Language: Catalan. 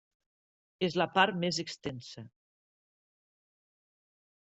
És la part més extensa.